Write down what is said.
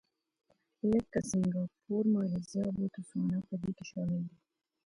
لکه سینګاپور، مالیزیا او بوتسوانا په دې کې شامل دي.